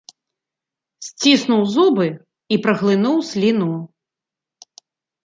Сціснуў зубы і праглынуў сліну.